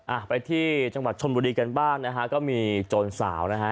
อ่ะไปที่จังหวัดชนบุรีกันบ้างนะฮะก็มีโจรสาวนะฮะ